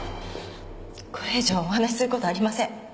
これ以上お話しすることありません